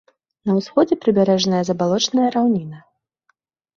На ўсходзе прыбярэжная забалочаная раўніна.